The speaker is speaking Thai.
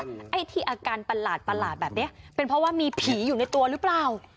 ไอ้ที่อาการประหลาดแบบนี้เป็นเพราะว่ามีผีอยู่ในตัวหรือเปล่า